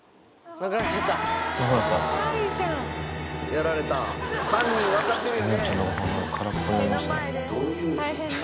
やられた犯人分かってるよね。